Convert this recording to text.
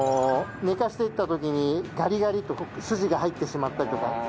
寝かしていった時にガリガリと筋が入ってしまったりとか。